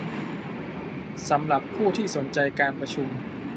สำหรับผู้ที่สนใจการประชุม